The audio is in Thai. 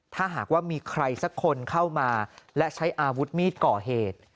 ถ้าหากว่ามีใครสักคนเข้ามาและใช้อาวุธมีดก่อเหตุ